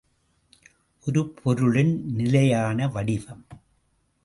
ஒரு பொருளின் நிலையான வடிவம்.